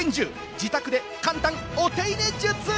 自宅で簡単お手入れ術！